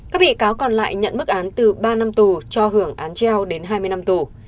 các bị cáo còn lại nhận mức án từ ba năm tù cho hưởng án treo đến hai mươi năm tù